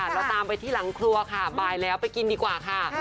เราตามไปที่หลังครัวค่ะบ่ายแล้วไปกินดีกว่าค่ะ